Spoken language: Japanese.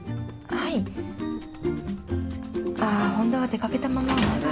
ああ本多は出かけたまままだ。